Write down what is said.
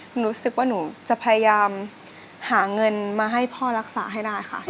รู้สึกว่าหนูจะพยายามหาเงินมาให้พ่อรักษาให้ได้ค่ะ